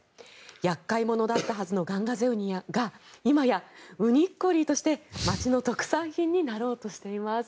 厄介者だったはずのガンガゼウニが今やウニッコリーとして町の特産品になろうとしています。